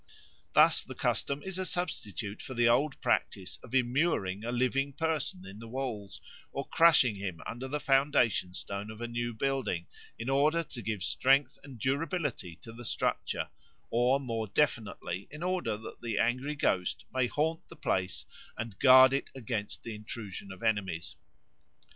Thus the custom is a substitute for the old practice of immuring a living person in the walls, or crushing him under the foundation stone of a new building, in order to give strength and durability to the structure, or more definitely in order that the angry ghost may haunt the place and guard it against the intrusion of enemies.